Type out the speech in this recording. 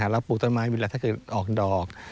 แล้วปลูกต้นไม้เวลาถ้าคือออกดอก